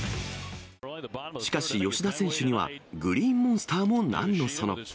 しかし吉田選手には、グリーンモンスターもなんのその。